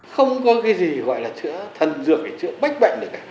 không có gì gọi là chữa thần dược hay chữa bách bệnh được